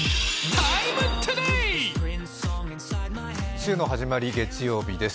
週の始まり月曜日です。